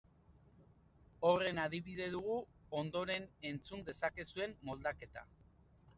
Horren adibide dugu ondoren entzun dezakezuen moldaketa.